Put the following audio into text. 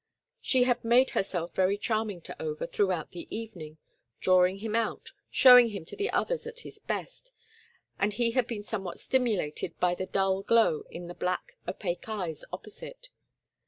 She had made herself very charming to Over throughout the evening, drawing him out, showing him to the others at his best, and he had been somewhat stimulated by the dull glow in the black, opaque eyes opposite.